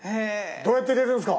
どうやって入れるんすか？